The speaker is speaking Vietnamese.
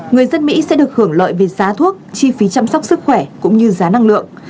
người dân mỹ sẽ được hưởng lợi về giá thuốc chi phí chăm sóc sức khỏe cũng như giá năng lượng